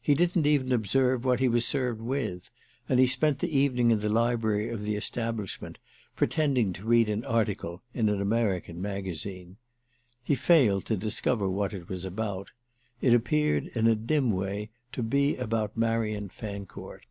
He didn't even observe what he was served with, and he spent the evening in the library of the establishment, pretending to read an article in an American magazine. He failed to discover what it was about; it appeared in a dim way to be about Marian Fancourt.